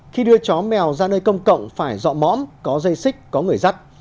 khi đưa chó mèo ra nơi công cộng phải dọ mõm có dây xích có người dắt